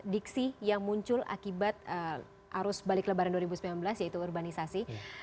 diksi yang muncul akibat arus balik lebaran dua ribu sembilan belas yaitu urbanisasi